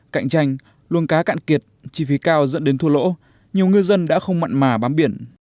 cạnh tranh luông cá cạn kiệt chi phí cao dẫn đến thua lỗ nhiều ngư dân đã không mặn mà bám biển